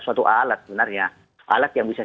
suatu alat sebenarnya alat yang bisa